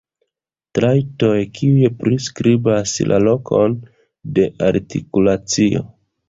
Trajtoj kiuj priskribas la lokon de artikulacio.